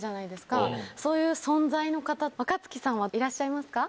そういう存在の方若槻さんはいらっしゃいますか？